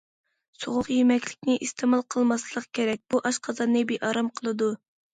سوغۇق يېمەكلىكنى ئىستېمال قىلماسلىق كېرەك، بۇ ئاشقازاننى بىئارام قىلىدۇ.